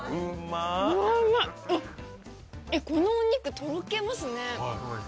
このお肉とろけますね。